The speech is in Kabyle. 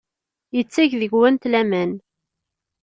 Yetteg deg-went laman.